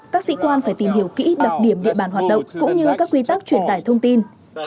các sĩ quan phải tìm hiểu kỹ đặc điểm địa bàn hoạt động cũng như các quy tắc truyền tải thông tin